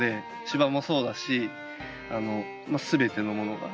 芝もそうだし全てのものが。